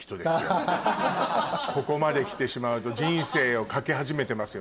ここまできてしまうと人生をかけ始めてますよ